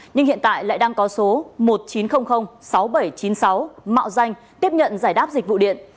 nhưng hiện tại lại đang có số một chín không không sáu bảy chín sáu mạo danh tiếp nhận giải đáp dịch vụ điện